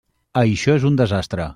Això és un desastre.